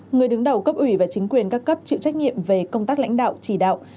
người đứng đầu cấp ủy và chính quyền các cấp chịu trách nhiệm về công tác lãnh đạo chỉ đạo